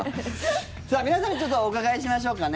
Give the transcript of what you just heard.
皆さんにお伺いしましょうかね。